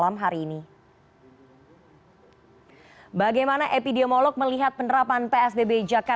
terima kasih sekali pak